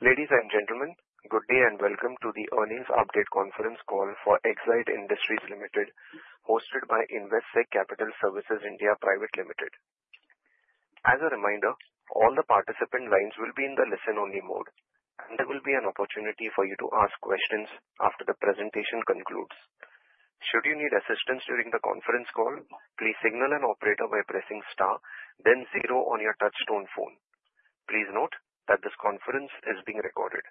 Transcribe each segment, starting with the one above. Ladies, and gentlemen, good day and welcome to the earnings update conference call for Exide Industries Limited, hosted by Investec Capital Services India Private Limited. As a reminder, all the participant lines will be in the listen-only mode, and there will be an opportunity for you to ask questions after the presentation concludes. Should you need assistance during the conference call, please signal an operator by pressing star, then zero on your touch-tone phone. Please note that this conference is being recorded.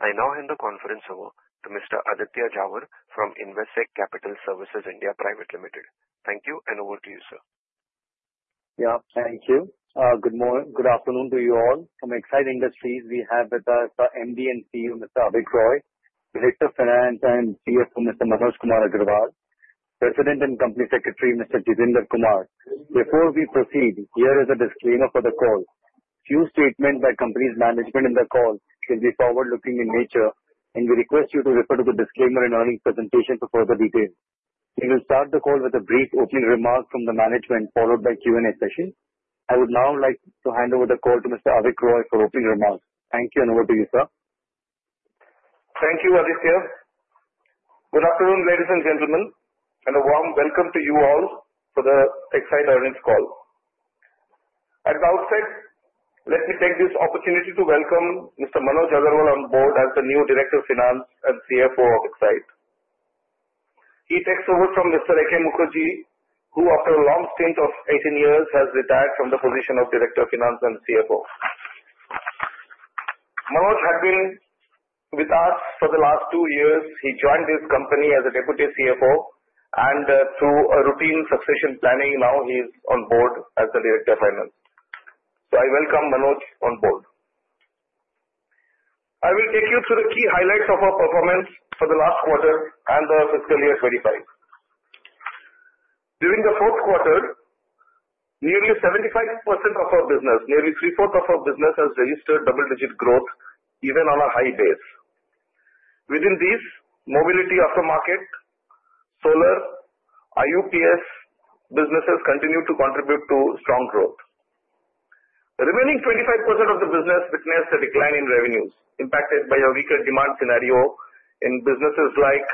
I now hand the conference over to Mr. Aditya Jhawar from Investec Capital Services India Private Limited. Thank you, and over to you, sir. Yeah, thank you. Good afternoon to you all. From Exide Industries Limited, we have with us MD and CEO Mr. Avik Roy, Director of Finance and CFO Mr. Manoj Kumar Agarwal, President and Company Secretary Mr. Jitendra Kumar. Before we proceed, here is a disclaimer for the call. Few statements by company's management in the call will be forward-looking in nature, and we request you to refer to the disclaimer and earnings presentation for further details. We will start the call with a brief opening remark from the management, followed by Q&A session. I would now like to hand over the call to Mr. Avik Roy for opening remarks. Thank you, and over to you, sir. Thank you, Aditya. Good afternoon, ladies, and gentlemen, and a warm welcome to you all for the Exide earnings call. At the outset, let me take this opportunity to welcome Mr. Manoj Kumar Agarwal on board as the new Director of Finance and CFO of Exide Industries Limited. He takes over from Mr. Asish Mukherjee, who, after a long stint of 18 years, has retired from the position of Director of Finance and CFO. Manoj had been with us for the last two years. He joined this company as a Deputy CFO, and through routine succession planning, now he's on board as the Director of Finance. So I welcome Manoj on board. I will take you through the key highlights of our performance for the last quarter and the fiscal year 2025. During the fourth quarter, nearly 75% of our business, nearly three-fourths of our business, has registered double-digit growth, even on a high base. Within these, mobility after market, solar, and IUPS businesses continue to contribute to strong growth. The remaining 25% of the business witnessed a decline in revenues, impacted by a weaker demand scenario in businesses like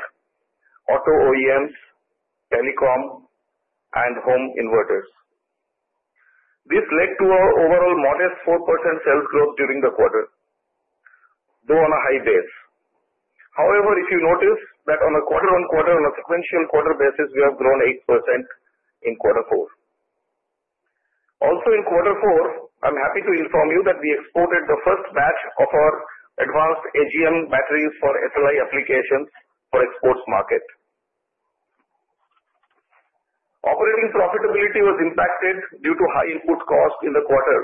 auto OEMs, telecom, and home inverters. This led to an overall modest 4% sales growth during the quarter, though on a high base. However, if you notice that on a quarter-on-quarter, on a sequential quarter basis, we have grown 8% in quarter four. Also, in quarter four, I'm happy to inform you that we exported the first batch of our advanced AGM batteries for SLI applications for the exports market. Operating profitability was impacted due to high input costs in the quarter,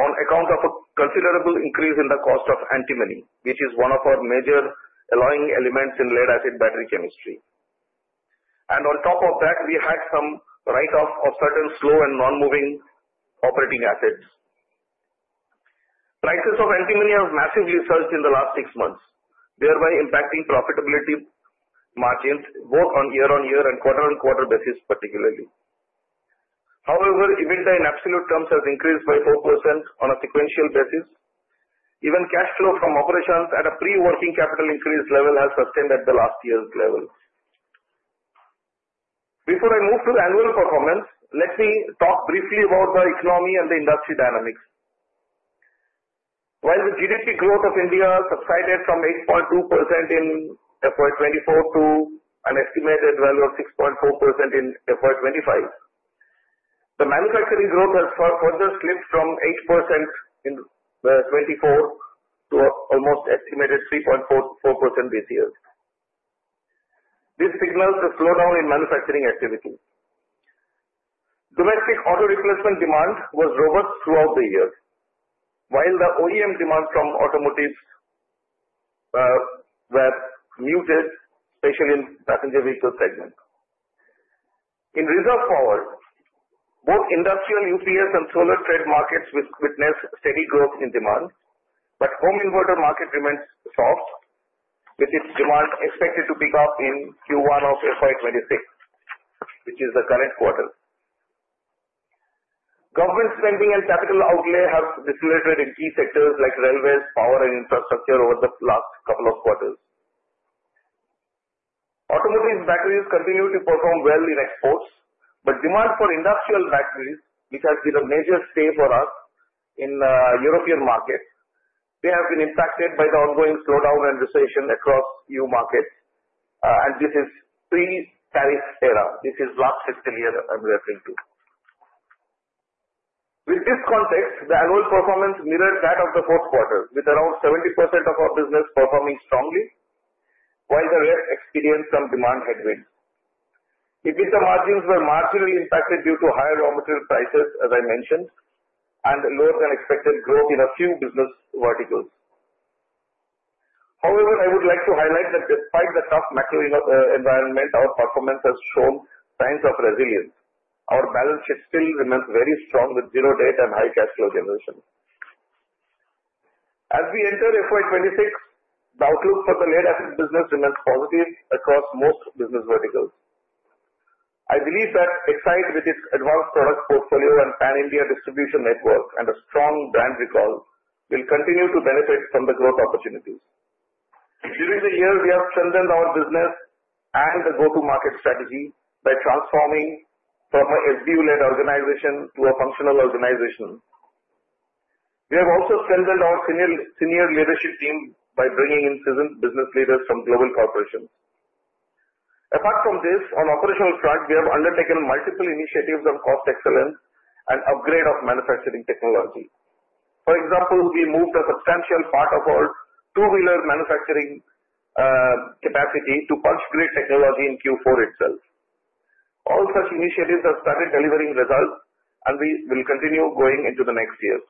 on account of a considerable increase in the cost of antimony, which is one of our major alloying elements in lead-acid battery chemistry. On top of that, we had some write-off of certain slow and non-moving operating assets. Prices of antimony have massively surged in the last six months, thereby impacting profitability margins both on year-on-year and quarter-on-quarter basis, particularly. However, even though in absolute terms has increased by 4% on a sequential basis, even cash flow from operations at a pre-working capital increase level has sustained at the last year's level. Before I move to the annual performance, let me talk briefly about the economy and the industry dynamics. While the GDP growth of India subsided from 8.2% in FY 2024 to an estimated value of 6.4% in FY 2025, the manufacturing growth has further slipped from 8% in FY 2024 to almost an estimated 3.4% this year. This signals a slowdown in manufacturing activity. Domestic auto replacement demand was robust throughout the year, while the OEM demand from automotive was muted, especially in the passenger vehicle segment. In reserve power, both industrial UPS and solar trade markets witnessed steady growth in demand, but the home inverter market remains soft, with its demand expected to pick up in Q1 of FY 2026, which is the current quarter. Government spending and capital outlay have decelerated in key sectors like railways, power, and infrastructure over the last couple of quarters. Automotive batteries continue to perform well in exports, but demand for industrial batteries, which has been a major stay for us in the European market, has been impacted by the ongoing slowdown and recession across new markets, and this is a pre-tariff era. This is the last fiscal year I am referring to. With this context, the annual performance mirrored that of the fourth quarter, with around 70% of our business performing strongly, while the rest experienced some demand headwinds. Even the margins were marginally impacted due to higher raw material prices, as I mentioned, and lower-than-expected growth in a few business verticals. However, I would like to highlight that despite the tough macro environment, our performance has shown signs of resilience. Our balance sheet still remains very strong, with zero debt and high cash flow generation. As we enter FY 2026, the outlook for the lead-acid business remains positive across most business verticals. I believe that Exide, with its advanced product portfolio and Pan-India distribution network and a strong brand recall, will continue to benefit from the growth opportunities. During the year, we have strengthened our business and the go-to-market strategy by transforming from an SDU-led organization to a functional organization. We have also strengthened our senior leadership team by bringing in seasoned business leaders from global corporations. Apart from this, on the operational front, we have undertaken multiple initiatives on cost excellence and upgrade of manufacturing technology. For example, we moved a substantial part of our two-wheeler manufacturing capacity to punch-grade technology in Q4 itself. All such initiatives have started delivering results, and we will continue going into the next year.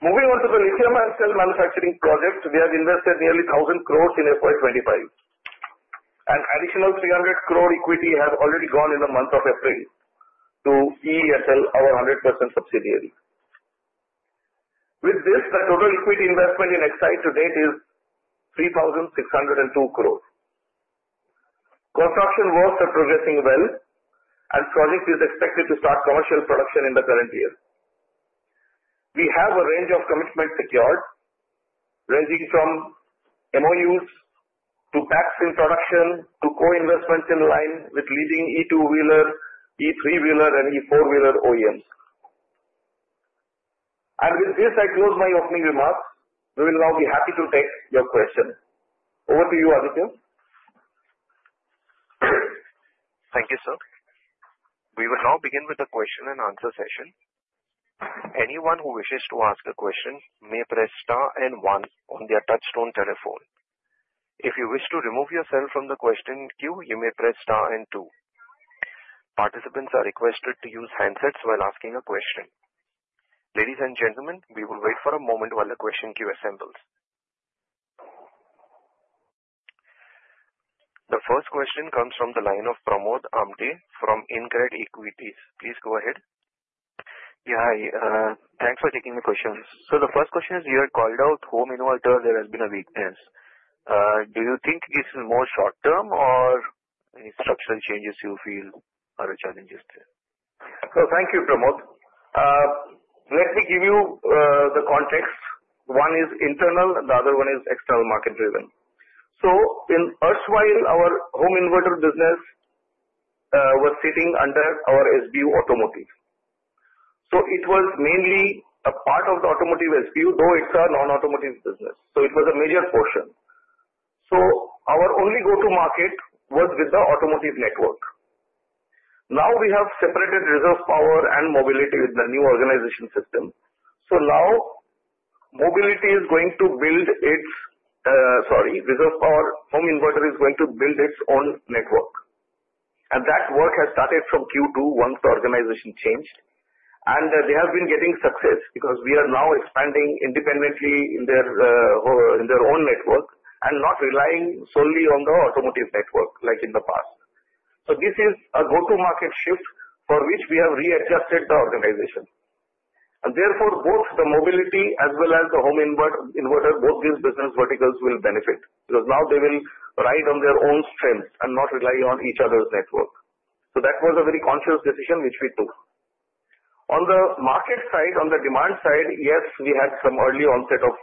Moving on to the lithium-ion cell manufacturing project, we have invested nearly 1,000 crore in FY 2025, and additional 300 crore equity has already gone in the month of April to EESL, our 100% subsidiary. With this, the total equity investment in Exide to date is 3,602 crore. Construction works are progressing well, and the project is expected to start commercial production in the current year. We have a range of commitments secured, ranging from MOUs to PACs in production to co-investments in line with leading E2-wheeler, E3-wheeler, and E4-wheeler OEMs. With this, I close my opening remarks. We will now be happy to take your questions. Over to you, Aditya. Thank you, sir. We will now begin with the question-and-answer session. Anyone who wishes to ask a question may press star and one on their touchstone telephone. If you wish to remove yourself from the question queue, you may press star and two. Participants are requested to use handsets while asking a question. Ladies, and gentlemen, we will wait for a moment while the question queue assembles. The first question comes from the line of Pramod Amde from Incred Equities. Please go ahead. Yeah, thanks for taking the question. So the first question is, you had called out home inverter, there has been a weakness. Do you think this is more short-term, or any structural changes you feel are a challenge? Thank you, Pramod. Let me give you the context. One is internal, and the other one is external market-driven. In the first while, our home inverter business was sitting under our SBU automotive. It was mainly a part of the automotive SBU, though it is a non-automotive business. It was a major portion. Our only go-to-market was with the automotive network. Now we have separated reserve power and mobility with the new organization system. Now mobility is going to build its—sorry, reserve power home inverter is going to build its own network. That work has started from Q2 once the organization changed. They have been getting success because we are now expanding independently in their own network and not relying solely on the automotive network like in the past. This is a go-to-market shift for which we have readjusted the organization. Therefore, both the mobility as well as the home inverter, both these business verticals will benefit because now they will ride on their own strength and not rely on each other's network. That was a very conscious decision which we took. On the market side, on the demand side, yes, we had some early onset of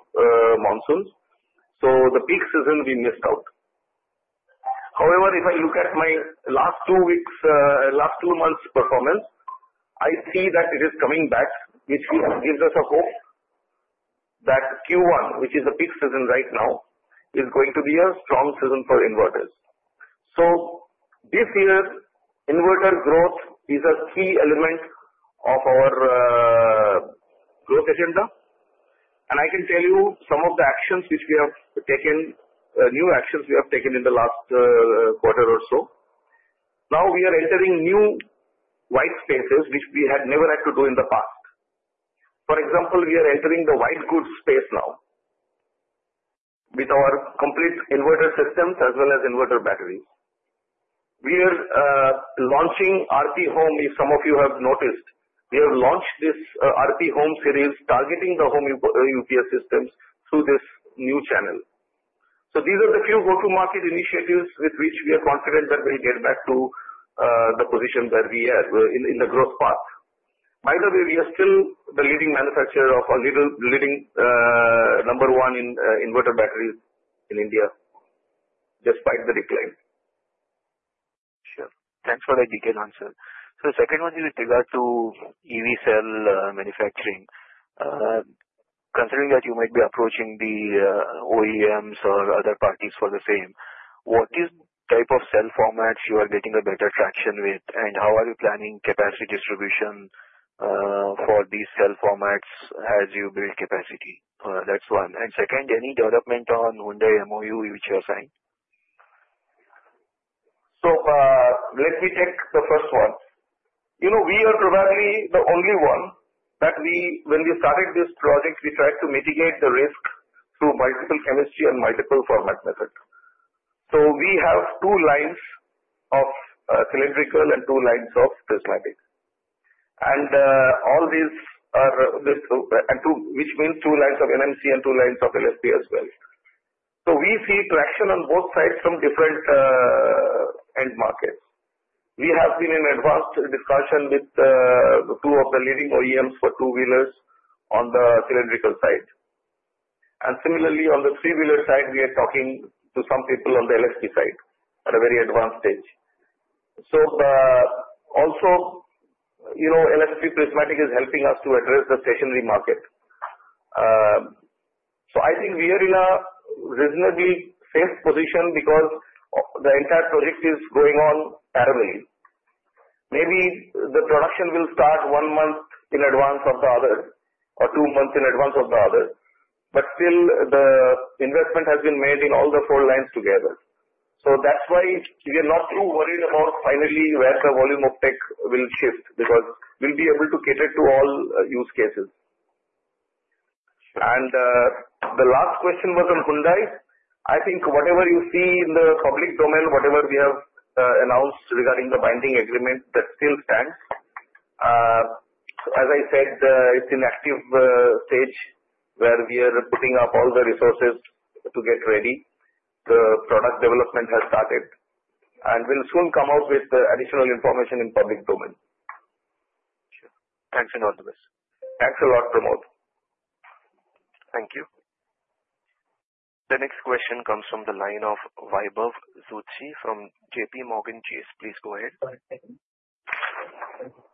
monsoons. The peak season we missed out. However, if I look at my last two weeks, last two months' performance, I see that it is coming back, which gives us a hope that Q1, which is the peak season right now, is going to be a strong season for inverters. This year, inverter growth is a key element of our growth agenda. I can tell you some of the actions which we have taken, new actions we have taken in the last quarter or so. Now we are entering new white spaces, which we had never had to do in the past. For example, we are entering the white goods space now with our complete inverter systems as well as inverter batteries. We are launching RP Home. If some of you have noticed, we have launched this RP Home series targeting the home UPS systems through this new channel. These are the few go-to-market initiatives with which we are confident that we'll get back to the position that we had in the growth path. By the way, we are still the leading manufacturer of, a leading number one in inverter batteries in India, despite the decline. Sure. Thanks for the detailed answer. The second one is with regard to EV cell manufacturing. Considering that you might be approaching the OEMs or other parties for the same, what type of cell formats you are getting better traction with, and how are you planning capacity distribution for these cell formats as you build capacity? That is one. Second, any development on Hyundai MOU which you have signed? Let me take the first one. We are probably the only one that when we started this project, we tried to mitigate the risk through multiple chemistry and multiple format methods. We have two lines of cylindrical and two lines of prismatic. All these are, which means two lines of NMC and two lines of LFP as well. We see traction on both sides from different end markets. We have been in advanced discussion with two of the leading OEMs for two-wheelers on the cylindrical side. Similarly, on the three-wheeler side, we are talking to some people on the LFP side at a very advanced stage. Also, LFP prismatic is helping us to address the stationary market. I think we are in a reasonably safe position because the entire project is going on parallelly. Maybe the production will start one month in advance of the other or two months in advance of the other, but still the investment has been made in all the four lines together. That is why we are not too worried about finally where the volume of tech will shift because we will be able to cater to all use cases. The last question was on Hyundai. I think whatever you see in the public domain, whatever we have announced regarding the binding agreement, that still stands. As I said, it is in active stage where we are putting up all the resources to get ready. The product development has started and will soon come out with additional information in public domain. Sure. Thanks and all the best. Thanks a lot, Pramod. Thank you. The next question comes from the line of Vaibhav Soothi from JPMorgan Chase. Please go ahead.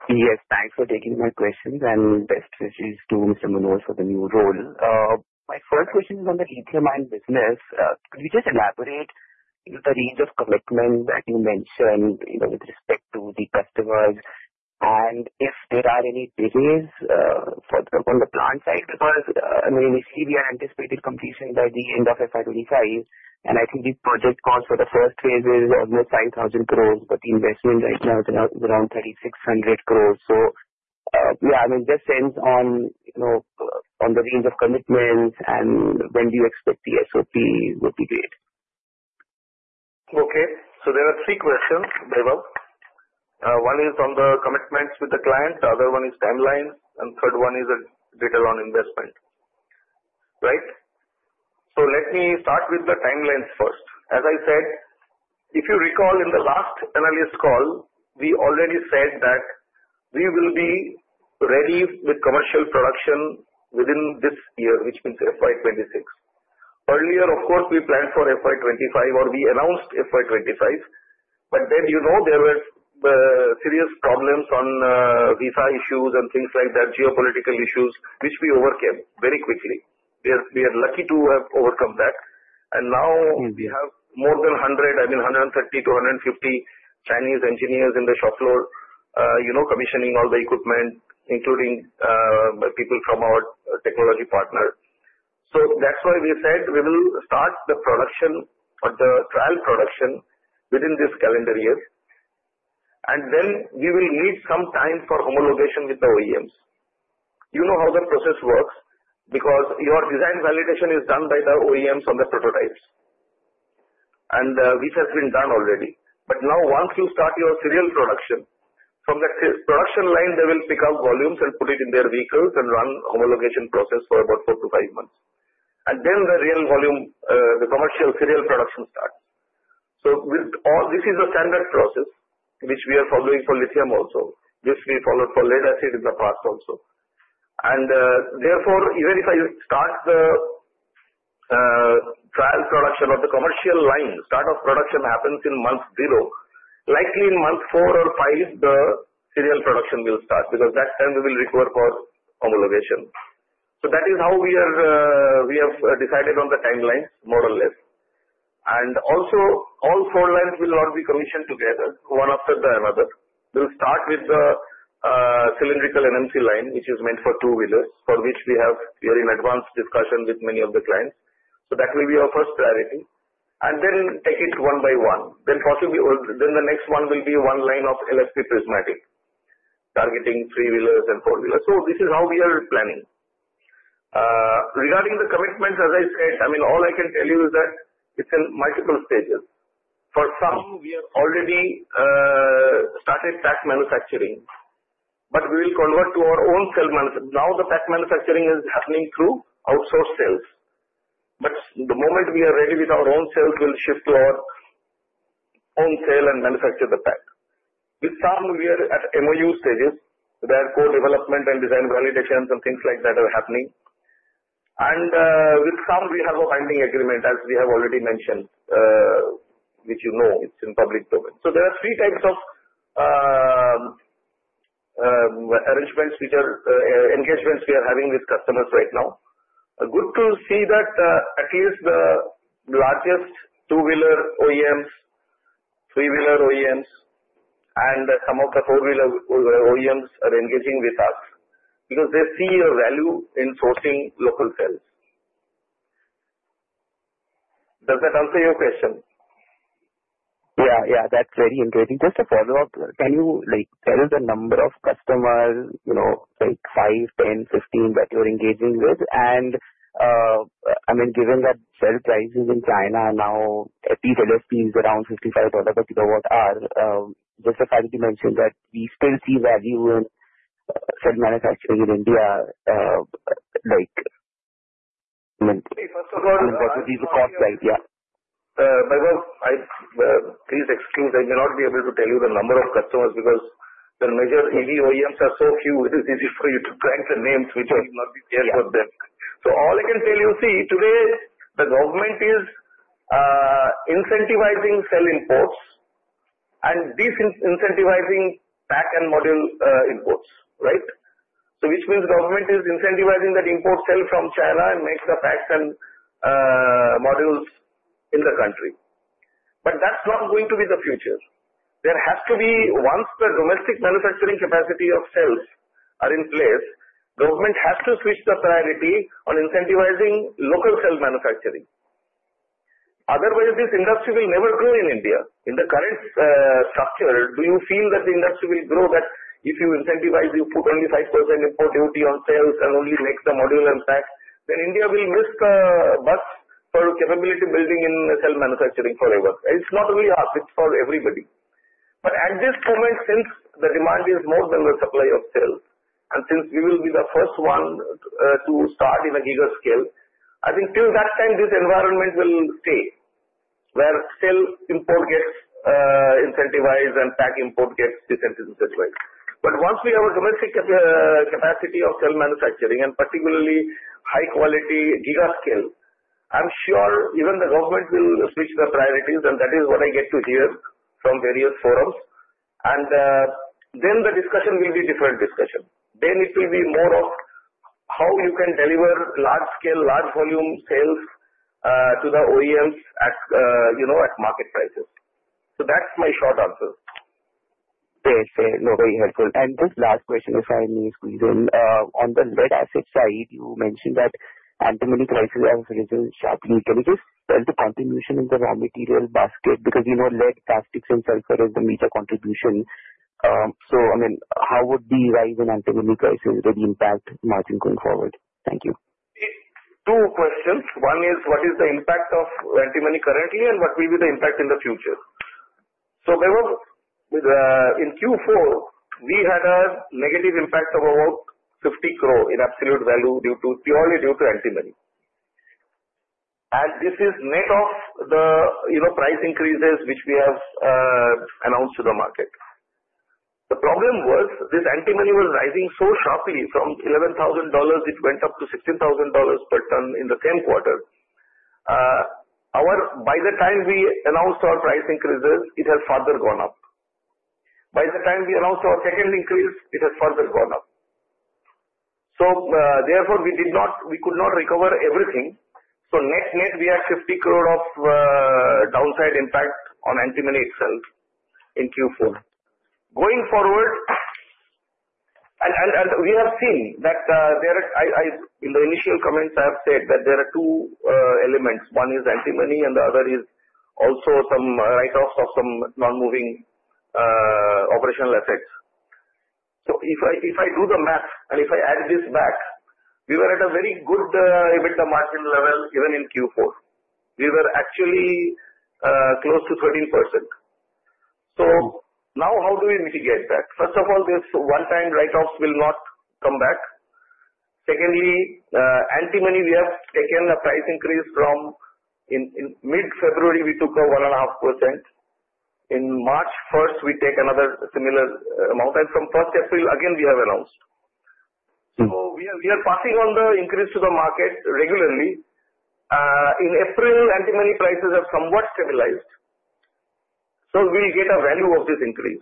Yes, thanks for taking my questions. Best wishes to Mr. Manoj for the new role. My first question is on the lithium-ion business. Could you just elaborate the range of commitments that you mentioned with respect to the customers and if there are any delays on the plant side? Because initially, we had anticipated completion by the end of FY 2025, and I think the project cost for the first phase is almost 5,000 crore, but the investment right now is around 3,600 crore. Yeah, I mean, just sense on the range of commitments and when do you expect the SOP would be great. Okay. So there are three questions, Vaibhav. One is on the commitments with the client, the other one is timelines, and the third one is a detail on investment, right? Let me start with the timelines first. As I said, if you recall in the last analyst call, we already said that we will be ready with commercial production within this year, which means FY 2026. Earlier, of course, we planned for FY 2025 or we announced FY 2025, but then there were serious problems on visa issues and things like that, geopolitical issues, which we overcame very quickly. We are lucky to have overcome that. Now we have more than 100, I mean, 130-150 Chinese engineers in the shop floor commissioning all the equipment, including people from our technology partners. That is why we said we will start the production or the trial production within this calendar year. Then we will need some time for homologation with the OEMs. You know how the process works because your design validation is done by the OEMs on the prototypes, which has been done already. Now, once you start your serial production, from that production line, they will pick up volumes and put it in their vehicles and run homologation process for about four to five months. Then the real volume, the commercial serial production starts. This is a standard process which we are following for lithium also. This we followed for lead-acid in the past also. Therefore, even if I start the trial production of the commercial line, start of production happens in month zero, likely in month four or five, the serial production will start because that time we will require for homologation. That is how we have decided on the timelines, more or less. Also, all four lines will not be commissioned together, one after another. We'll start with the cylindrical NMC line, which is meant for two-wheelers, for which we have been in advanced discussion with many of the clients. That will be our first priority, and then take it one by one. The next one will be one line of LFP prismatic targeting three-wheelers and four-wheelers. This is how we are planning. Regarding the commitments, as I said, I mean, all I can tell you is that it's in multiple stages. For some, we have already started PAC manufacturing, but we will convert to our own cell manufacturing. Now the PAC manufacturing is happening through outsourced cells. The moment we are ready with our own cells, we'll shift to our own cell and manufacture the PAC. With some, we are at MOU stages. There are co-development and design validations and things like that are happening. With some, we have a binding agreement, as we have already mentioned, which you know is in public domain. There are three types of engagements we are having with customers right now. Good to see that at least the largest two-wheeler OEMs, three-wheeler OEMs, and some of the four-wheeler OEMs are engaging with us because they see a value in sourcing local cells. Does that answer your question? Yeah, yeah. That's very interesting. Just a follow-up. Can you tell us the number of customers, like five, 10, 15 that you're engaging with? I mean, given that cell prices in China now, at least LFP is around $55 per kWh just the fact that you mentioned that we still see value in cell manufacturing in India, like in the cost side, yeah. Vaibhav, please excuse me. I may not be able to tell you the number of customers because the major EV OEMs are so few, it is easy for you to crank the names, which I will not be there for them. All I can tell you, see, today, the government is incentivizing cell imports and disincentivizing PAC and module imports, right? Which means government is incentivizing that import cell from China and makes the PACs and modules in the country. That is not going to be the future. There has to be once the domestic manufacturing capacity of cells is in place, government has to switch the priority on incentivizing local cell manufacturing. Otherwise, this industry will never grow in India. In the current structure, do you feel that the industry will grow that if you incentivize, you put only 5% import duty on cells and only make the module and PAC, then India will miss the bus for capability building in cell manufacturing forever? It's not only us, it's for everybody. At this moment, since the demand is more than the supply of cells, and since we will be the first one to start in a gigascale, I think till that time, this environment will stay where cell import gets incentivized and PAC import gets disincentivized. Once we have a domestic capacity of cell manufacturing and particularly high-quality gigascale, I'm sure even the government will switch the priorities, and that is what I get to hear from various forums. Then the discussion will be a different discussion. It will be more of how you can deliver large-scale, large-volume sales to the OEMs at market prices. That is my short answer. Okay. Very helpful. And just last question, if I may squeeze in. On the lead-acid side, you mentioned that antimony prices have risen sharply. Can you just tell the contribution in the raw material basket? Because lead, plastics, and sulfur is the major contribution. I mean, how would the rise in antimony prices really impact margin going forward? Thank you. Two questions. One is, what is the impact of antimony currently, and what will be the impact in the future? So Vaibhav, in Q4, we had a negative impact of about 50 crore in absolute value purely due to antimony. And this is net of the price increases which we have announced to the market. The problem was this antimony was rising so sharply from $11,000, it went up to $16,000 per ton in the same quarter. By the time we announced our price increases, it has further gone up. By the time we announced our second increase, it has further gone up. Therefore, we could not recover everything. Net net, we have 50 crore of downside impact on antimony itself in Q4. Going forward, and we have seen that in the initial comments, I have said that there are two elements. One is antimony, and the other is also some write-offs of some non-moving operational assets. If I do the math and if I add this back, we were at a very good EBITDA margin level even in Q4. We were actually close to 13%. Now, how do we mitigate that? First of all, these one-time write-offs will not come back. Secondly, antimony, we have taken a price increase from mid-February; we took a 1.5%. On March 1, we take another similar amount. From April 1, again, we have announced. We are passing on the increase to the market regularly. In April, antimony prices have somewhat stabilized. We will get a value of this increase.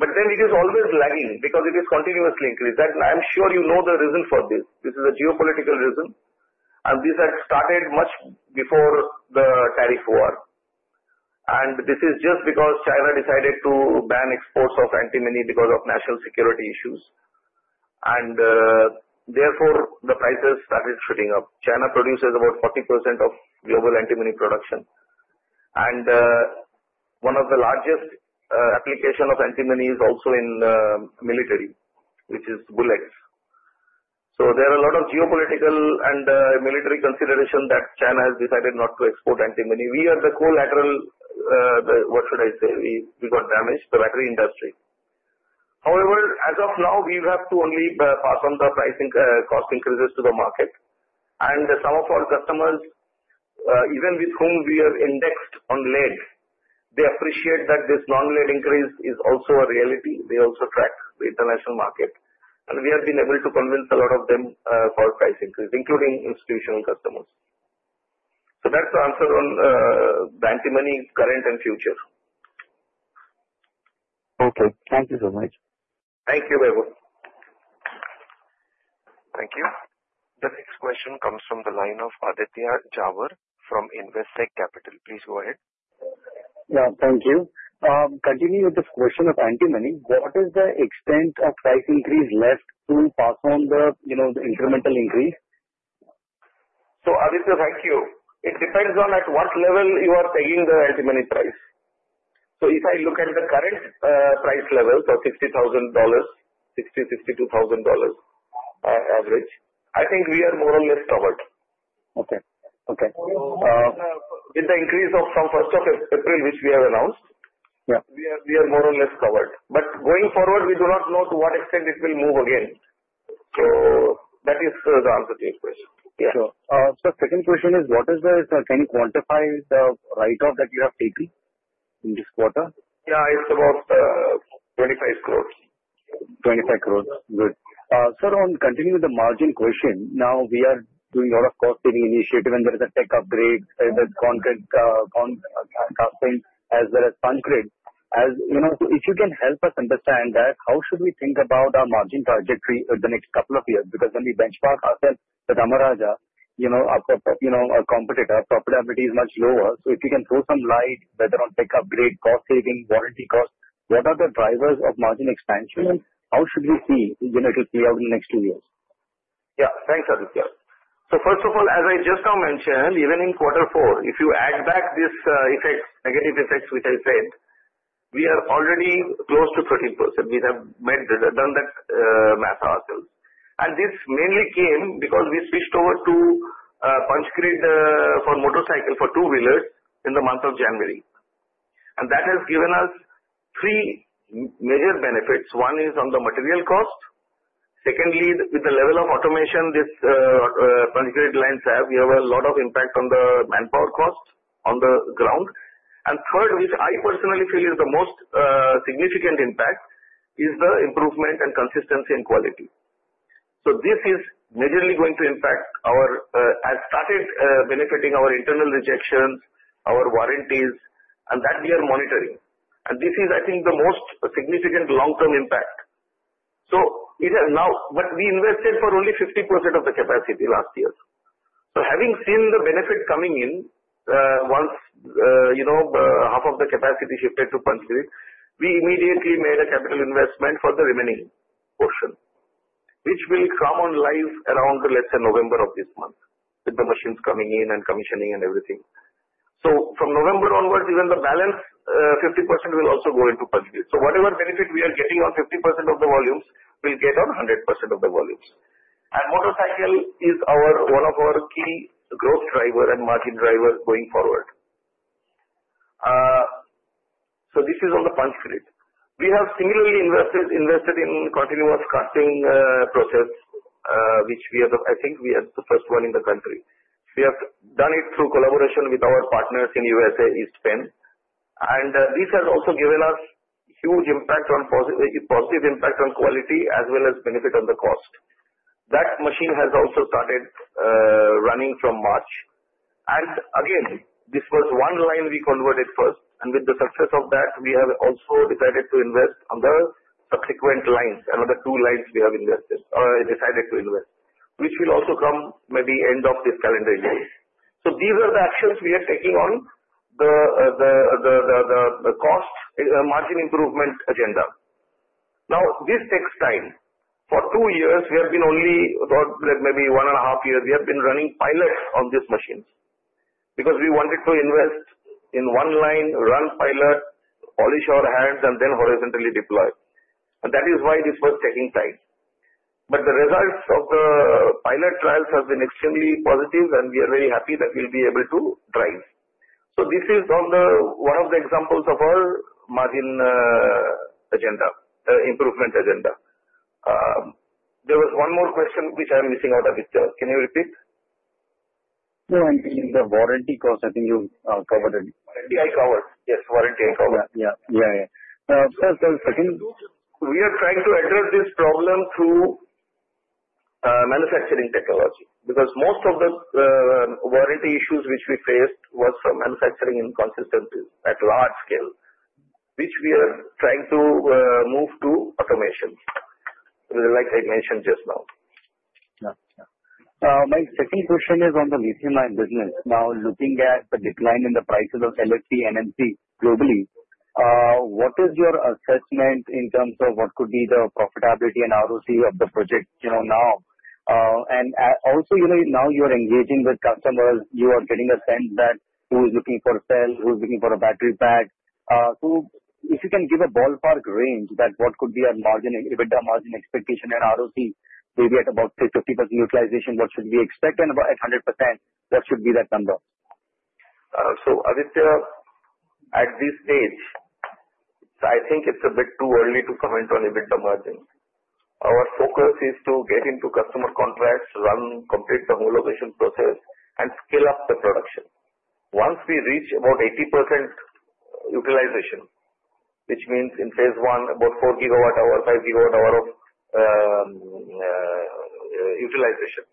It is always lagging because it is continuously increased. I am sure you know the reason for this. This is a geopolitical reason. These had started much before the tariff war. This is just because China decided to ban exports of antimony because of national security issues. Therefore, the prices started shooting up. China produces about 40% of global antimony production. One of the largest applications of antimony is also in the military, which is bullets. There are a lot of geopolitical and military considerations that China has decided not to export antimony. We are the collateral—what should I say? We got damaged, the battery industry. However, as of now, we have to only pass on the pricing cost increases to the market. Some of our customers, even with whom we have indexed on lead, appreciate that this non-lead increase is also a reality. They also track the international market. We have been able to convince a lot of them for price increase, including institutional customers. That is the answer on the antimony current and future. Okay. Thank you so much. Thank you, Vaibhav. Thank you. The next question comes from the line of Aditya Jhawar from Investec Capital. Please go ahead. Yeah, thank you. Continuing with this question of antimony, what is the extent of price increase left to pass on the incremental increase? Aditya, thank you. It depends on at what level you are tagging the antimony price. If I look at the current price levels of $60,000, $60,000-$62,000 average, I think we are more or less covered. Okay. Okay. With the increase of from 1 April, which we have announced, we are more or less covered. Going forward, we do not know to what extent it will move again. That is the answer to your question. Sure. Second question is, what is the—can you quantify the write-off that you have taken in this quarter? Yeah, it's about 25 crore. 25 crores. Good. Sir, on continuing with the margin question, now we are doing a lot of cost-saving initiatives, and there is a tech upgrade, there is content costing, as well as punch grid. If you can help us understand that, how should we think about our margin trajectory over the next couple of years? Because when we benchmark ourselves with Amara Raja, our competitor, profitability is much lower. If you can throw some light, whether on tech upgrade, cost saving, warranty cost, what are the drivers of margin expansion? How should we see it play out in the next two years? Yeah. Thanks, Aditya. First of all, as I just now mentioned, even in quarter four, if you add back these negative effects which I said, we are already close to 13%. We have done that math ourselves. This mainly came because we switched over to punch grid for motorcycles, for two-wheelers, in the month of January. That has given us three major benefits. One is on the material cost. Secondly, with the level of automation these punch grid lines have, we have a lot of impact on the manpower cost on the ground. Third, which I personally feel is the most significant impact, is the improvement and consistency in quality. This is majorly going to impact our—has started benefiting our internal rejections, our warranties, and that we are monitoring. I think this is the most significant long-term impact. Now, we invested for only 50% of the capacity last year. Having seen the benefit coming in, once half of the capacity shifted to punch grid, we immediately made a capital investment for the remaining portion, which will come on live around, let's say, November of this month, with the machines coming in and commissioning and everything. From November onwards, even the balance 50% will also go into punch grid. Whatever benefit we are getting on 50% of the volumes, we'll get on 100% of the volumes. Motorcycle is one of our key growth drivers and margin drivers going forward. This is on the punch grid. We have similarly invested in continuous casting process, which I think we are the first one in the country. We have done it through collaboration with our partners in the USA, East Penn. This has also given us huge impact, a positive impact on quality as well as benefit on the cost. That machine has also started running from March. This was one line we converted first. With the success of that, we have also decided to invest on the subsequent lines, another two lines we have invested or decided to invest, which will also come maybe end of this calendar year. These are the actions we are taking on the cost margin improvement agenda. This takes time. For two years, we have been only about maybe one and a half years, we have been running pilots on these machines because we wanted to invest in one line, run pilot, polish our hands, and then horizontally deploy. That is why this was taking time. The results of the pilot trials have been extremely positive, and we are very happy that we'll be able to drive. This is one of the examples of our margin improvement agenda. There was one more question which I am missing out, Aditya. Can you repeat? No, I think the warranty cost, I think you covered it. Warranty, I covered. Yes, warranty, I covered. Yeah, yeah. Sir, tell us. We are trying to address this problem through manufacturing technology because most of the warranty issues which we faced were from manufacturing inconsistencies at large scale, which we are trying to move to automation, like I mentioned just now. Yeah. Yeah. My second question is on the lithium-ion business. Now, looking at the decline in the prices of LFP, NMC globally, what is your assessment in terms of what could be the profitability and ROC of the project now? Also, now you're engaging with customers, you are getting a sense that who is looking for a cell, who is looking for a battery pack. If you can give a ballpark range, what could be a margin, EBITDA margin expectation and ROC, maybe at about 50% utilization, what should we expect? At 100%, what should be that number? Aditya, at this stage, I think it's a bit too early to comment on EBITDA margin. Our focus is to get into customer contracts, complete the homologation process, and scale up the production. Once we reach about 80% utilization, which means in phase I, about four GWh-five GWh of utilization,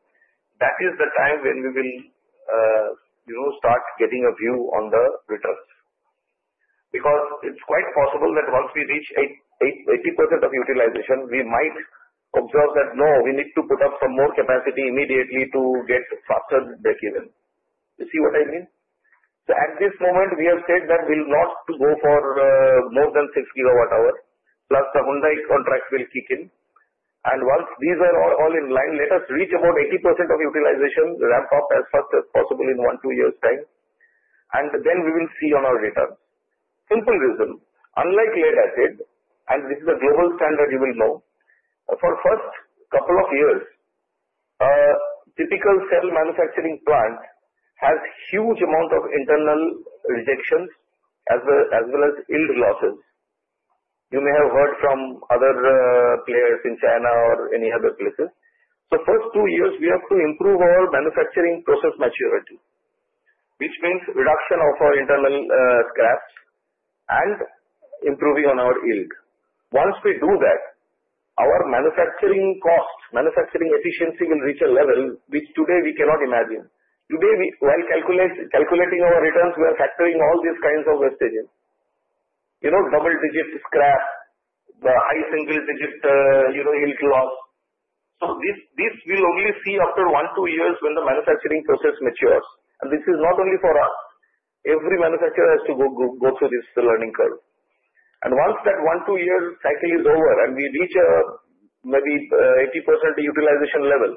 that is the time when we will start getting a view on the returns. Because it's quite possible that once we reach 80% of utilization, we might observe that, no, we need to put up some more capacity immediately to get faster than given. You see what I mean? At this moment, we have said that we'll not go for more than six GWh, plus the Hyundai contract will kick in. Once these are all in line, let us reach about 80% of utilization, ramp up as fast as possible in one to two years' time. Then we will see on our returns. Simple reason. Unlike lead-acid, and this is a global standard, you will know, for the first couple of years, a typical cell manufacturing plant has a huge amount of internal rejections as well as yield losses. You may have heard from other players in China or any other places. The first two years, we have to improve our manufacturing process maturity, which means reduction of our internal scraps and improving on our yield. Once we do that, our manufacturing cost, manufacturing efficiency will reach a level which today we cannot imagine. Today, while calculating our returns, we are factoring all these kinds of wastages: double-digit scrap, the high single-digit yield loss. We will only see this after one or two years when the manufacturing process matures. This is not only for us. Every manufacturer has to go through this learning curve. Once that one or two-year cycle is over and we reach maybe 80% utilization level,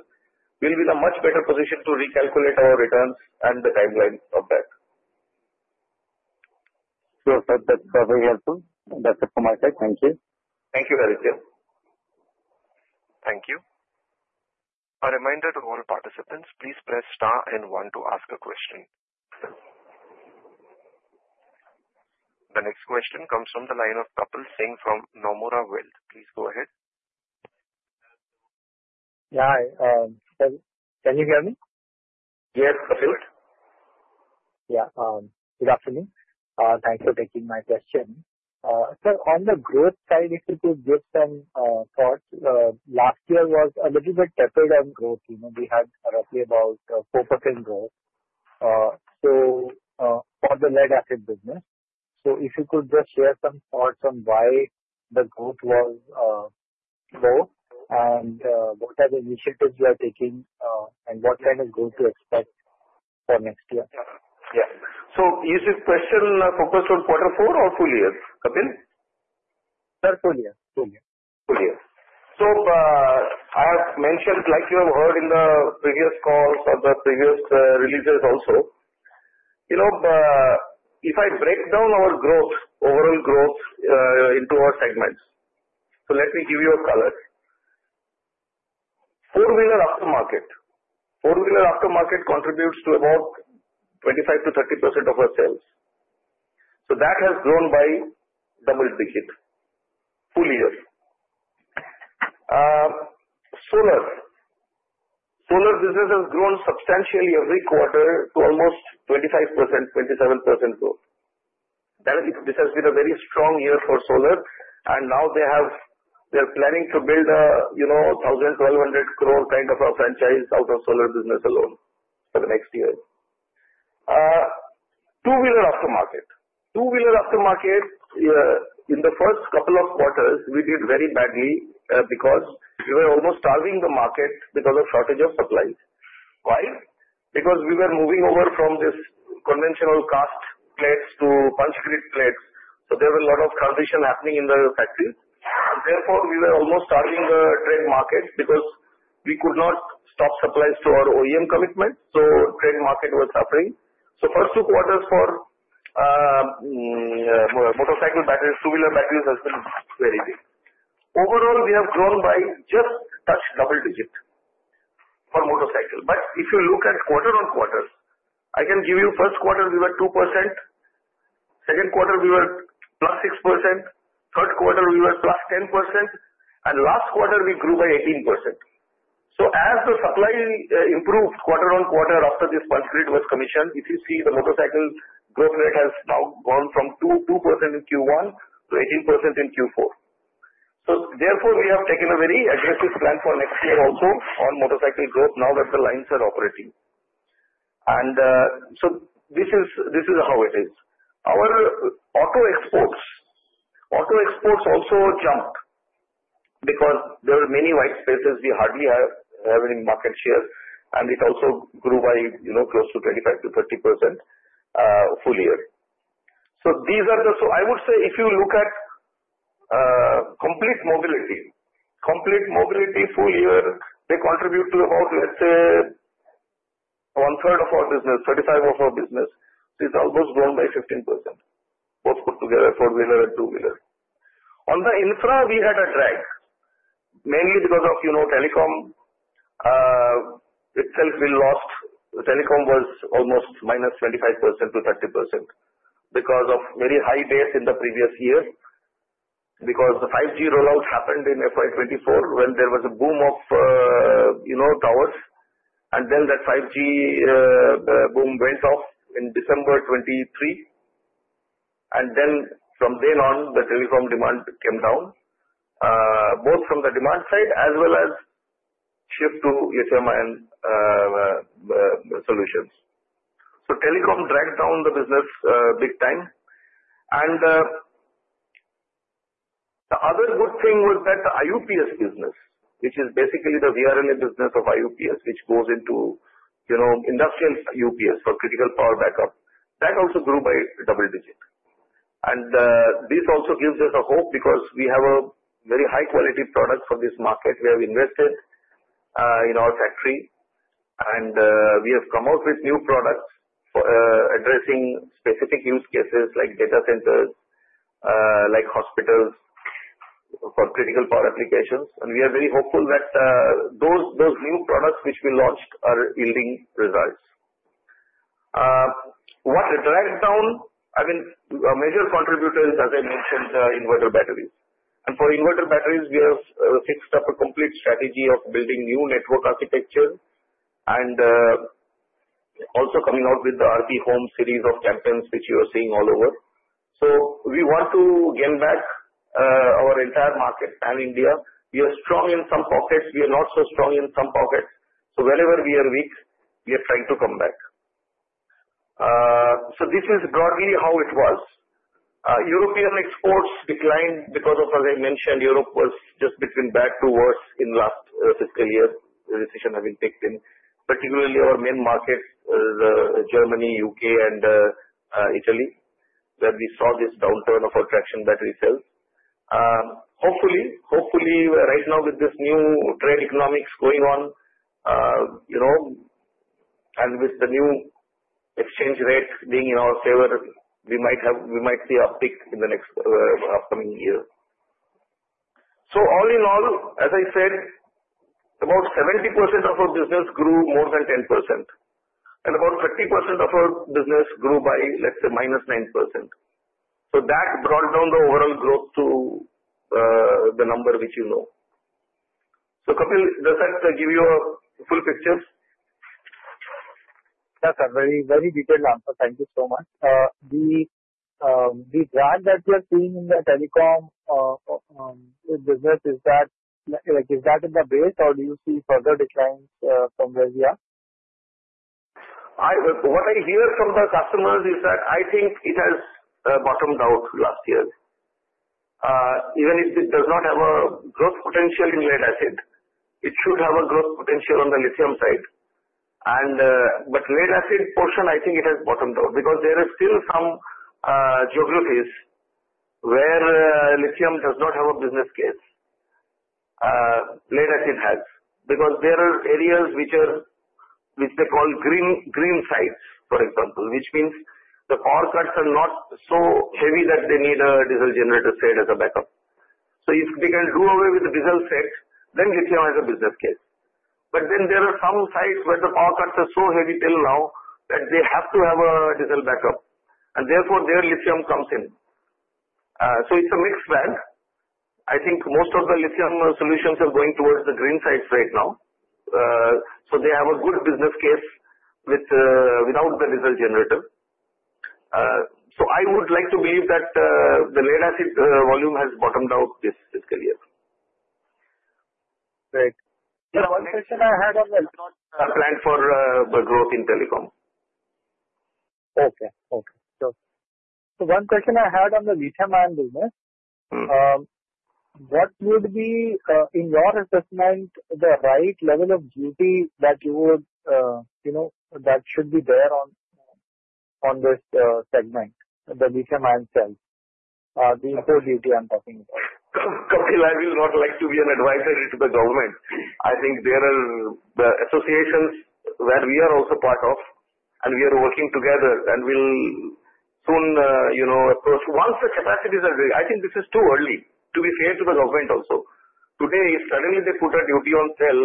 we will be in a much better position to recalculate our returns and the timeline of that. Sure, sir. That's very helpful. That's it from my side. Thank you. Thank you, Aditya. Thank you. A reminder to all participants, please press star and one to ask a question. The next question comes from the line of Kapil from Nomura Wealth. Please go ahead. Yeah. Can you hear me? Yes, Kapil. Good. Yeah. Good afternoon. Thanks for taking my question. Sir, on the growth side, if you could give some thoughts, last year was a little bit tepid on growth. We had roughly about 4% growth. For the lead-acid business, if you could just share some thoughts on why the growth was low and what are the initiatives you are taking and what kind of growth to expect for next year? Yeah. So is your question focused on quarter four or full year, Kapil? Sir, full year. Full year. Full year. I have mentioned, like you have heard in the previous calls or the previous releases also, if I break down our growth, overall growth into our segments, let me give you a color. Four-wheeler aftermarket. Four-wheeler aftermarket contributes to about 25%-30% of our sales. That has grown by double-digit full year. Solar. Solar business has grown substantially every quarter to almost 25%-27% growth. This has been a very strong year for solar. They are planning to build a 1,000-1,200 crore kind of a franchise out of solar business alone for the next year. Two-wheeler aftermarket. Two-wheeler aftermarket, in the first couple of quarters, we did very badly because we were almost starving the market because of shortage of supplies. Why? Because we were moving over from these conventional cast plates to punch grid plates. There were a lot of transition happening in the factories. Therefore, we were almost starving the trade market because we could not stop supplies to our OEM commitment. The trade market was suffering. The first two quarters for motorcycle batteries, two-wheeler batteries, has been very big. Overall, we have grown by just touch double-digit for motorcycle. If you look at quarter on quarter, I can give you first quarter, we were 2%. Second quarter, we were plus 6%. Third quarter, we were plus 10%. Last quarter, we grew by 18%. As the supply improved quarter on quarter after this punch grid was commissioned, if you see the motorcycle growth rate has now gone from 2% in Q1 to 18% in Q4. Therefore, we have taken a very aggressive plan for next year also on motorcycle growth now that the lines are operating. This is how it is. Our auto exports also jumped because there were many white spaces. We hardly have any market share. It also grew by close to 25-30% full year. If you look at complete mobility, complete mobility full year, they contribute to about, let's say, one-third of our business, 35% of our business. It has almost grown by 15%, both put together, four-wheeler and two-wheeler. On the infra, we had a drag, mainly because of telecom itself, we lost. The telecom was almost minus 25-30% because of very high base in the previous year because the 5G rollout happened in fiscal year 2024 when there was a boom of towers. That 5G boom went off in December 2023. From then on, the telecom demand came down, both from the demand side as well as shift to HMI and solutions. Telecom dragged down the business big time. The other good thing was that the IUPS business, which is basically the VRLA business of IUPS, which goes into industrial UPS for critical power backup, also grew by double-digit. This also gives us hope because we have a very high-quality product for this market. We have invested in our factory, and we have come out with new products addressing specific use cases like data centers, like hospitals for critical power applications. We are very hopeful that those new products which we launched are yielding results. What dragged down, I mean, a major contributor is, as I mentioned, inverter batteries. For inverter batteries, we have fixed up a complete strategy of building new network architecture and also coming out with the RP Home series of champions which you are seeing all over. We want to gain back our entire market, Pan India. We are strong in some pockets. We are not so strong in some pockets. Whenever we are weak, we are trying to come back. This is broadly how it was. European exports declined because, as I mentioned, Europe was just between bad to worse in the last fiscal year. The decision has been taken in, particularly our main markets, Germany, U.K., and Italy, where we saw this downturn of our traction battery sales. Hopefully, right now with this new trade economics going on and with the new exchange rate being in our favor, we might see a peak in the next upcoming year. All in all, as I said, about 70% of our business grew more than 10%, and about 30% of our business grew by, let's say, minus 9%. That brought down the overall growth to the number which you know. Kapil, does that give you a full picture? Yes, sir. Very detailed answer. Thank you so much. The drag that we are seeing in the telecom business, is that in the base, or do you see further declines from where we are? What I hear from the customers is that I think it has bottomed out last year. Even if it does not have a growth potential in lead-acid, it should have a growth potential on the lithium side. But lead-acid portion, I think it has bottomed out because there are still some geographies where lithium does not have a business case. Lead-acid has because there are areas which they call green sites, for example, which means the power cuts are not so heavy that they need a diesel generator site as a backup. If they can do away with the diesel site, then lithium has a business case. There are some sites where the power cuts are so heavy till now that they have to have a diesel backup. Therefore, there lithium comes in. It's a mixed bag. I think most of the lithium solutions are going towards the green sites right now. They have a good business case without the diesel generator. I would like to believe that the lead-acid volume has bottomed out this fiscal year. Great. One question I had on the. Not a plan for growth in telecom. Okay. Okay. Sure. So one question I had on the lithium-ion business. What would be, in your assessment, the right level of duty that you would, that should be there on this segment, the lithium-ion cells, the import duty I'm talking about? Kapil, I will not like to be an advisory to the government. I think there are the associations where we are also part of, and we are working together, and we'll soon approach once the capacities are ready. I think this is too early, to be fair to the government also. Today, suddenly they put a duty on cell.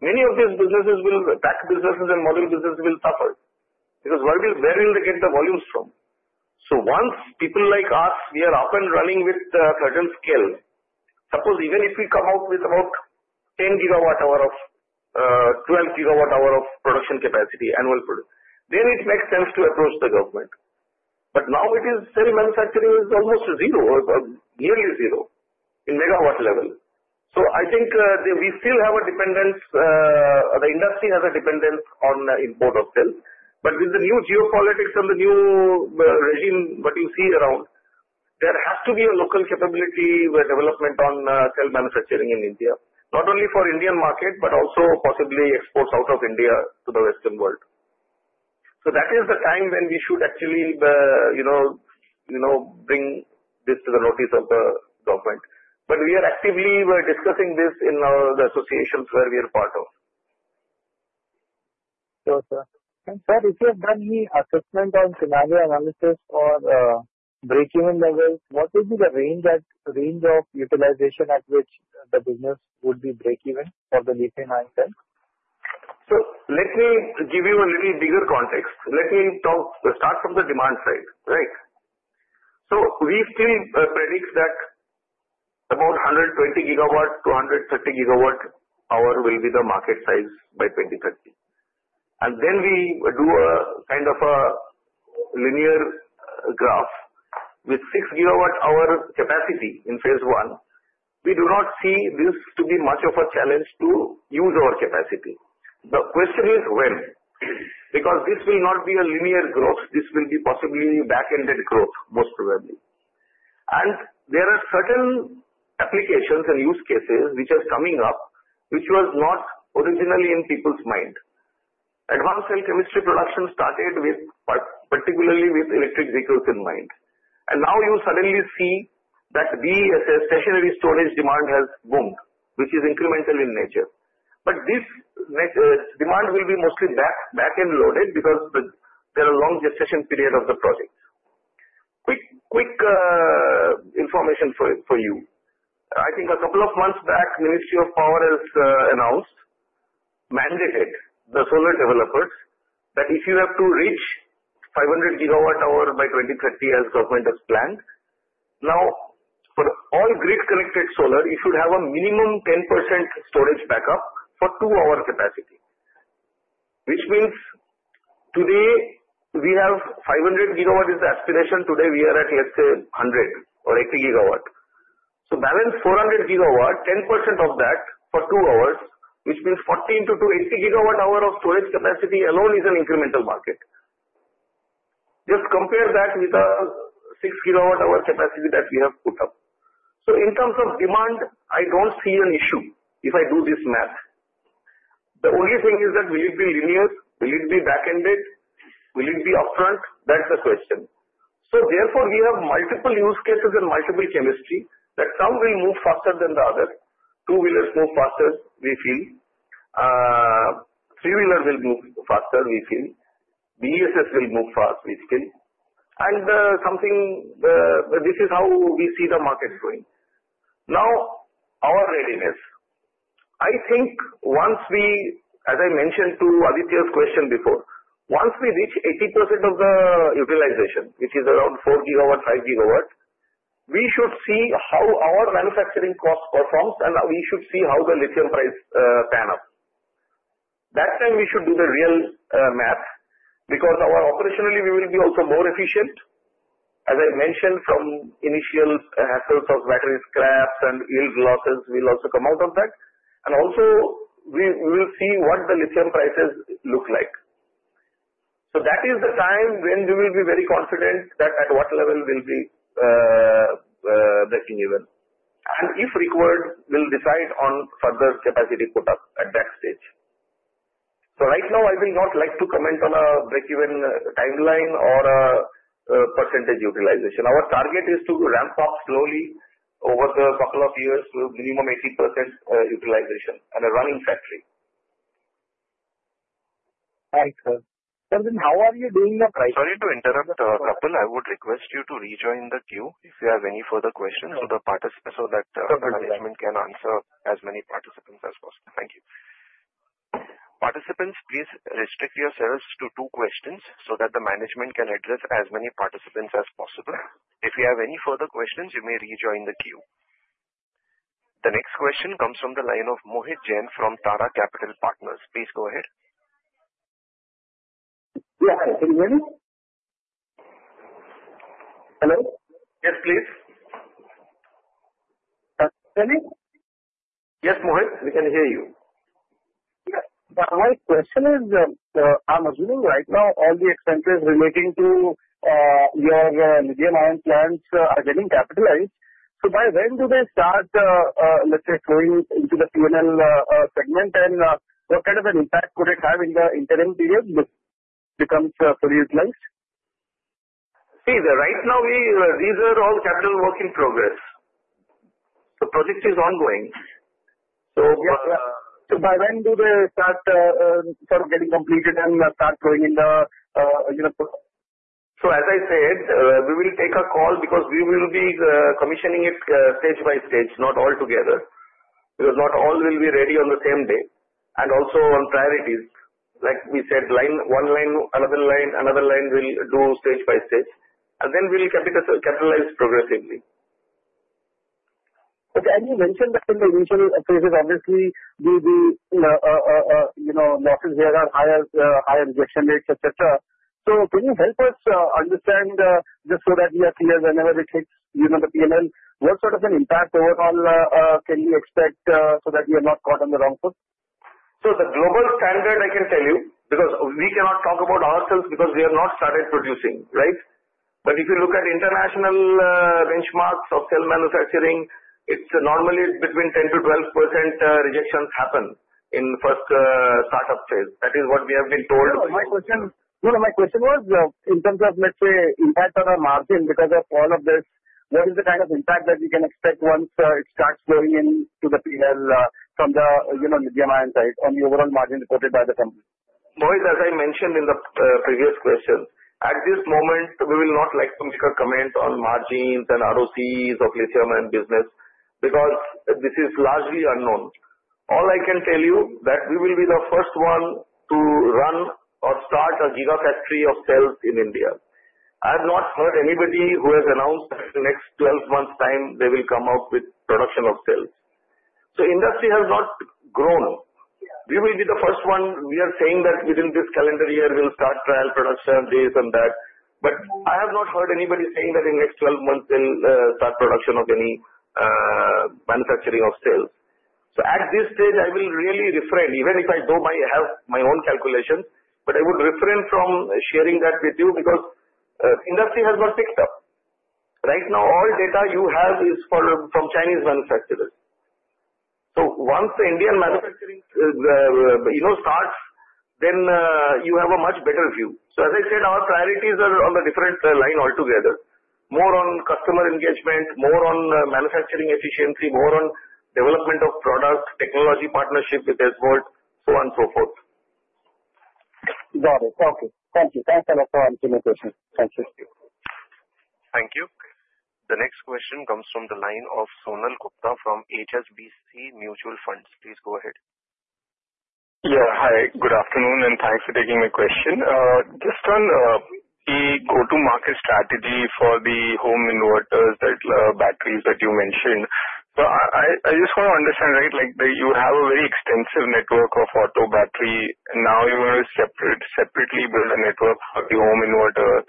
Many of these businesses, back businesses and model businesses will suffer because where will they get the volumes from? Once people like us, we are up and running with a certain scale. Suppose even if we come out with about 10 GWh or 12 GWh of production capacity, annual product, then it makes sense to approach the government. Now it is cell manufacturing is almost zero, nearly zero in megawatt level. I think we still have a dependence. The industry has a dependence on import of cells. With the new geopolitics and the new regime that you see around, there has to be a local capability development on cell manufacturing in India, not only for the Indian market, but also possibly exports out of India to the Western world. That is the time when we should actually bring this to the notice of the government. We are actively discussing this in the associations where we are part of. Sure, sir. Sir, if you have done any assessment on scenario analysis or break-even levels, what would be the range of utilization at which the business would be break-even for the lithium-ion cell? Let me give you a little bigger context. Let me start from the demand side, right? We still predict that about 120 GWh-130 GWh will be the market size by 2030. Then we do a kind of a linear graph with six GWh capacity in phase I. We do not see this to be much of a challenge to use our capacity. The question is when, because this will not be a linear growth. This will be possibly back-ended growth, most probably. There are certain applications and use cases which are coming up, which were not originally in people's minds. Advanced cell chemistry production started particularly with electric vehicles in mind. Now you suddenly see that the stationary storage demand has boomed, which is incremental in nature. This demand will be mostly back-end loaded because there are long gestation periods of the projects. Quick information for you. I think a couple of months back, the Ministry of Power has announced, mandated the solar developers that if you have to reach 500 GWh by 2030, as government has planned, now for all grid-connected solar, you should have a minimum 10% storage backup for 2-hour capacity, which means today we have 500 GW is the aspiration. Today, we are at, let's say, 100 or 80 GW. So balance 400 GW, 10% of that for two hours, which means 14-80 GWh of storage capacity alone is an incremental market. Just compare that with a six GWh capacity that we have put up. In terms of demand, I do not see an issue if I do this math. The only thing is that will it be linear? Will it be back-ended? Will it be upfront? That is the question. Therefore, we have multiple use cases and multiple chemistry that some will move faster than the other. Two-wheelers move faster, we feel. Three-wheelers will move faster, we feel. BESS will move fast, we feel. This is how we see the market going. Now, our readiness. I think once we, as I mentioned to Aditya's question before, once we reach 80% of the utilization, which is around four GW-five GW, we should see how our manufacturing cost performs, and we should see how the lithium price pan up. That time, we should do the real math because operationally, we will be also more efficient. As I mentioned, from initial hassles of battery scraps and yield losses, we will also come out of that. We will see what the lithium prices look like. That is the time when we will be very confident that at what level we'll be breaking even. If required, we'll decide on further capacity put up at that stage. Right now, I will not like to comment on a break-even timeline or a percentage utilization. Our target is to ramp up slowly over the couple of years to minimum 80% utilization and a running factory. Thanks, sir. Sir, how are you doing your price? Sorry to interrupt a Kapil. I would request you to rejoin the queue if you have any further questions so that management can answer as many participants as possible. Thank you. Participants, please restrict yourselves to two questions so that the management can address as many participants as possible. If you have any further questions, you may rejoin the queue. The next question comes from the line of Mohit Jain from Tara Capital Partners. Please go ahead. Yeah. Can you hear me? Hello? Yes, please. Can you hear me? Yes, Mohit. We can hear you. Yeah. My question is, I'm assuming right now, all the expenses relating to your lithium-ion plants are getting capitalized. By when do they start, let's say, flowing into the P&L segment? What kind of an impact would it have in the interim period if this becomes fully utilized? See, right now, these are all capital work in progress. The project is ongoing. So. Yeah. So by when do they start sort of getting completed and start going in the? As I said, we will take a call because we will be commissioning it stage by stage, not all together, because not all will be ready on the same day. Also, on priorities, like we said, one line, another line, another line will do stage by stage. Then we will capitalize progressively. Okay. You mentioned that in the initial phases, obviously, the losses here are higher, higher injection rates, etc. Can you help us understand just so that we are clear whenever it hits the P&L, what sort of an impact overall can we expect so that we are not caught on the wrong foot? The global standard, I can tell you, because we cannot talk about ourselves because we have not started producing, right? If you look at international benchmarks of cell manufacturing, it is normally between 10-12% rejections happen in the first startup phase. That is what we have been told. My question was in terms of, let's say, impact on our margin because of all of this, what is the kind of impact that we can expect once it starts going into the P&L from the lithium-ion side on the overall margin reported by the company? Mohit, as I mentioned in the previous question, at this moment, we will not like to make a comment on margins and ROCs of lithium-ion business because this is largely unknown. All I can tell you is that we will be the first one to run or start a gigafactory of cells in India. I have not heard anybody who has announced that in the next 12 months' time, they will come out with production of cells. Industry has not grown. We will be the first one. We are saying that within this calendar year, we'll start trial production of this and that. I have not heard anybody saying that in the next 12 months, they'll start production of any manufacturing of cells. At this stage, I will really refrain, even if I have my own calculations, but I would refrain from sharing that with you because industry has not picked up. Right now, all data you have is from Chinese manufacturers. Once the Indian manufacturing starts, then you have a much better view. As I said, our priorities are on a different line altogether, more on customer engagement, more on manufacturing efficiency, more on development of product, technology partnership with as well, so on and so forth. Got it. Okay. Thank you. Thanks a lot for answering my question. Thank you. Thank you. The next question comes from the line of Sonal Gupta from HSBC Mutual Funds. Please go ahead. Yeah. Hi. Good afternoon, and thanks for taking my question. Just on the go-to-market strategy for the home inverters, the batteries that you mentioned. I just want to understand, right, you have a very extensive network of auto batteries. Now you want to separately build a network for the home inverter.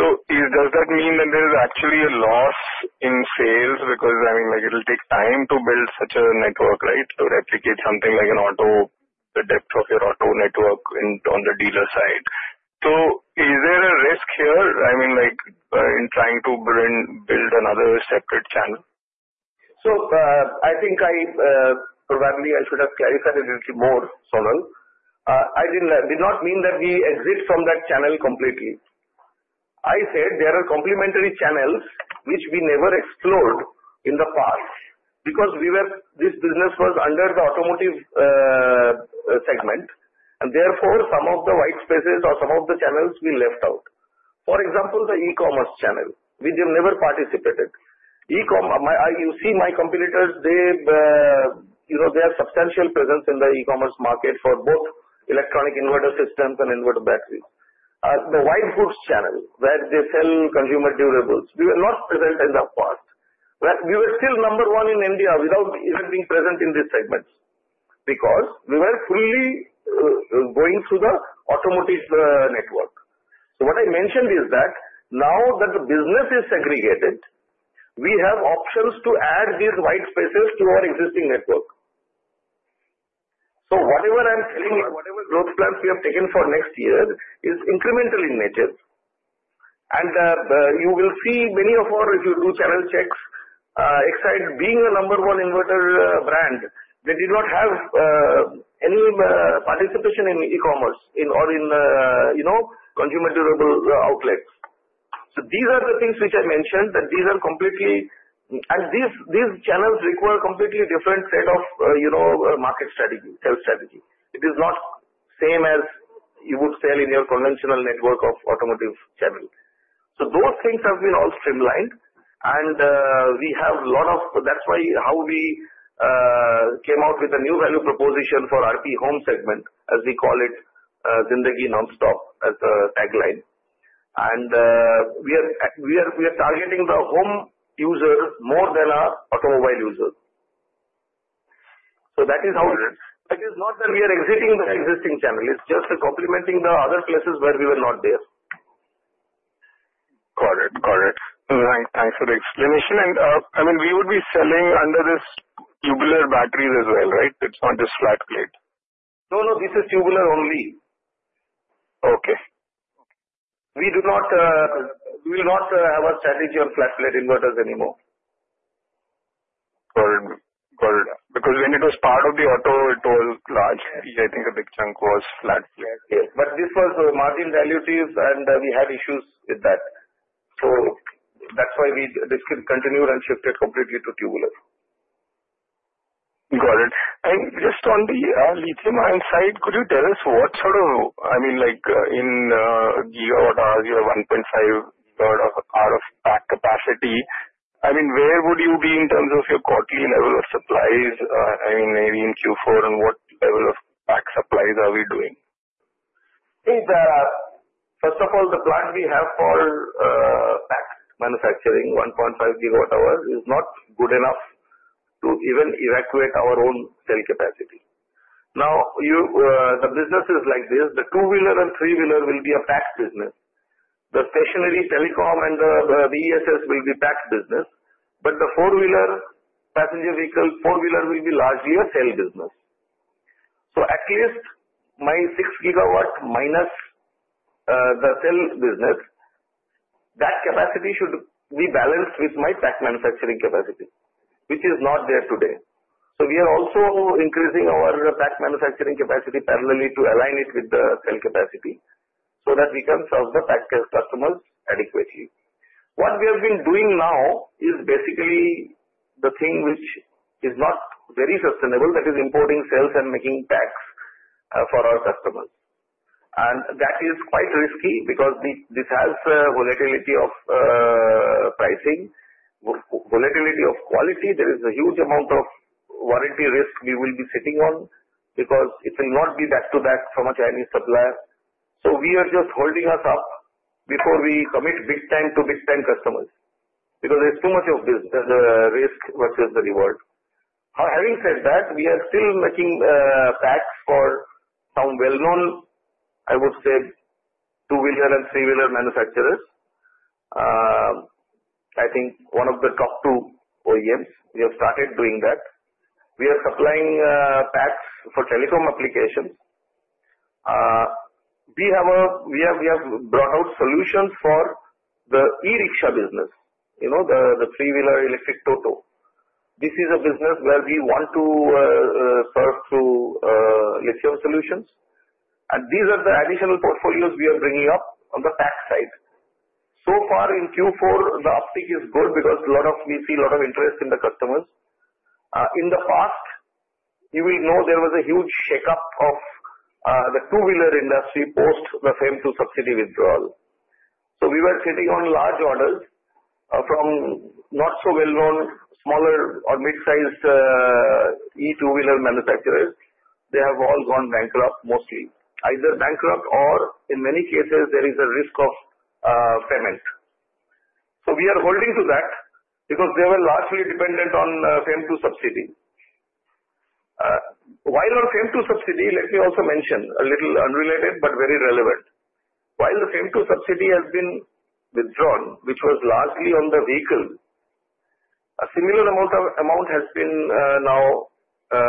Does that mean that there is actually a loss in sales? I mean, it will take time to build such a network, right, to replicate something like the depth of your auto network on the dealer side. Is there a risk here, I mean, in trying to build another separate channel? I think probably I should have clarified a little bit more, Sonal. I did not mean that we exit from that channel completely. I said there are complementary channels which we never explored in the past because this business was under the automotive segment. Therefore, some of the white spaces or some of the channels we left out. For example, the e-commerce channel, which we have never participated. You see my competitors, they have substantial presence in the e-commerce market for both electronic inverter systems and inverter batteries. The white goods channel where they sell consumer durables, we were not present in the past. We were still number one in India without even being present in these segments because we were fully going through the automotive network. What I mentioned is that now that the business is segregated, we have options to add these white spaces to our existing network. Whatever I am telling you, whatever growth plans we have taken for next year is incremental in nature. You will see many of our, if you do channel checks, Exide being a number one inverter brand, they did not have any participation in e-commerce or in consumer durable outlets. These are the things which I mentioned that these are completely, and these channels require a completely different set of market strategy, sales strategy. It is not the same as you would sell in your conventional network of automotive channel. Those things have been all streamlined, and we have a lot of, that's why how we came out with a new value proposition for RP Home segment, as we call it, Zindagi Nonstop as the tagline. We are targeting the home users more than our automobile users. That is how. That is not that we are exiting the existing channel. It's just complementing the other places where we were not there. Got it. Got it. Thanks for the explanation. I mean, we would be selling under this tubular batteries as well, right? It's not just flat plate. No, no. This is tubular only. Okay. We will not have a strategy on flat plate inverters anymore. Got it. Got it. Because when it was part of the auto, it was large. I think a big chunk was flat plate. Yes. Yes. This was margin value things, and we had issues with that. That is why we continued and shifted completely to tubular. Got it. And just on the lithium-ion side, could you tell us what sort of, I mean, in gigawatt hours, you have 1.5 GW of capacity. I mean, where would you be in terms of your quarterly level of supplies? I mean, maybe in Q4, and what level of supplies are we doing? See, first of all, the plant we have for PAC manufacturing, 1.5 GWh is not good enough to even evacuate our own cell capacity. Now, the business is like this. The two-wheeler and three-wheeler will be a PAC business. The stationary telecom and the BESS will be PAC business. The four-wheeler passenger vehicle, four-wheeler will be largely a cell business. At least my six GW minus the cell business, that capacity should be balanced with my PAC manufacturing capacity, which is not there today. We are also increasing our PAC manufacturing capacity parallelly to align it with the cell capacity so that we can serve the PAC customers adequately. What we have been doing now is basically the thing which is not very sustainable, that is importing cells and making PAC for our customers. That is quite risky because this has volatility of pricing, volatility of quality. There is a huge amount of warranty risk we will be sitting on because it will not be back-to-back so much high-end supply. We are just holding us up before we commit big time to big time customers because there is too much of risk versus the reward. Having said that, we are still making packs for some well-known, I would say, two-wheeler and three-wheeler manufacturers. I think one of the top two OEMs. We have started doing that. We are supplying packs for telecom applications. We have brought out solutions for the e-rickshaw business, the three-wheeler electric Toto. This is a business where we want to serve through lithium solutions. These are the additional portfolios we are bringing up on the pack side. So far, in Q4, the uptick is good because we see a lot of interest in the customers. In the past, you will know there was a huge shake-up of the two-wheeler industry post the FAME subsidy withdrawal. We were sitting on large orders from not so well-known, smaller or mid-sized e-two-wheeler manufacturers. They have all gone bankrupt, mostly either bankrupt or, in many cases, there is a risk of payment. We are holding to that because they were largely dependent on FAME subsidy. While on FAME subsidy, let me also mention a little unrelated but very relevant. While the FAME subsidy has been withdrawn, which was largely on the vehicle, a similar amount has been now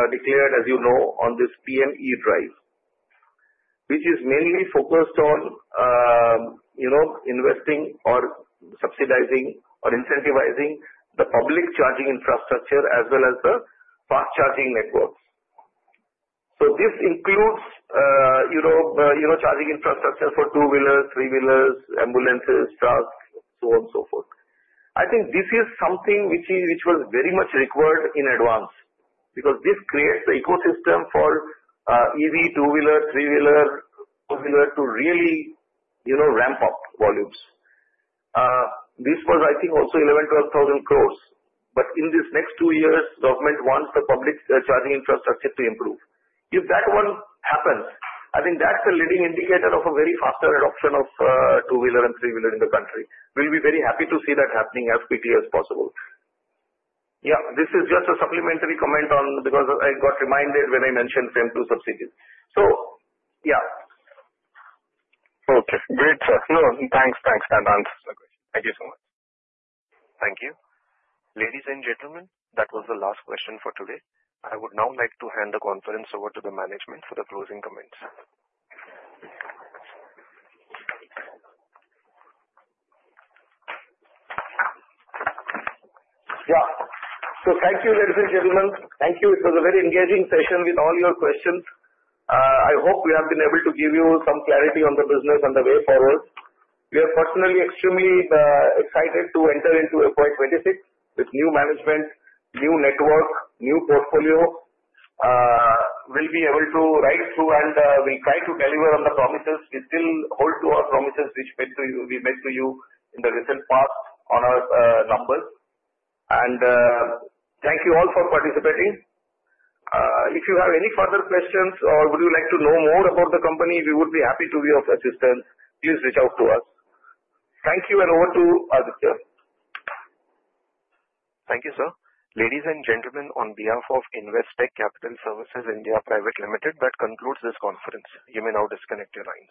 declared, as you know, on this PME drive, which is mainly focused on investing or subsidizing or incentivizing the public charging infrastructure as well as the fast charging networks. This includes charging infrastructure for two-wheelers, three-wheelers, ambulances, trucks, so on and so forth. I think this is something which was very much required in advance because this creates the ecosystem for EV two-wheeler, three-wheeler, four-wheeler to really ramp up volumes. This was, I think, also 11,000-12,000 crore. In these next two years, government wants the public charging infrastructure to improve. If that one happens, I think that's a leading indicator of a very faster adoption of two-wheeler and three-wheeler in the country. We'll be very happy to see that happening as quickly as possible. Yeah. This is just a supplementary comment because I got reminded when I mentioned FAME subsidies. Yeah. Okay. Great. Thanks. That answers the question. Thank you so much. Thank you. Ladies, and gentlemen, that was the last question for today. I would now like to hand the conference over to the management for the closing comments. Yeah. Thank you, ladies, and gentlemen. Thank you. It was a very engaging session with all your questions. I hope we have been able to give you some clarity on the business and the way forward. We are personally extremely excited to enter into FY 2026 with new management, new network, new portfolio. We will be able to ride through and we will try to deliver on the promises. We still hold to our promises which we made to you in the recent past on our numbers. Thank you all for participating. If you have any further questions or would like to know more about the company, we would be happy to be of assistance. Please reach out to us. Thank you and over to Aditya. Thank you, Sir. Ladies, and gentlemen, on behalf of Investec Capital Services India Private Limited, that concludes this conference. You may now disconnect your line.